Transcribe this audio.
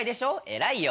偉いよ。